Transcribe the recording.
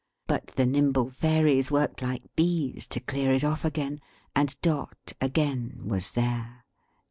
But the nimble fairies worked like Bees to clear it off again; and Dot again was there.